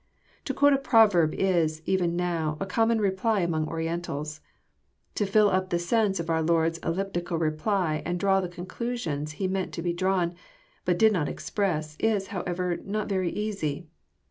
To quote a proverb is, even now, a common reply among Orientals. To fill up the sense of our Lord's elliptical reply, and draw the conclusions He meant to be drawn, but did not express, is, however, not very easy.